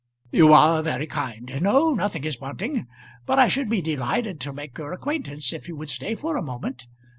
"You are very kind. No; nothing is wanting. But I should be delighted to make your acquaintance if you would stay for a moment.